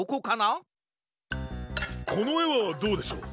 このえはどうでしょう？